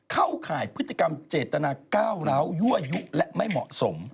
เข้าข่ายพฤติกรรมเจตนาก้าวร้าวยั่วยุและไม่เหมาะสม